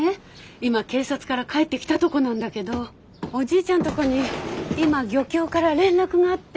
今警察から帰ってきたとこなんだけどおじいちゃんとこに今漁協から連絡があって。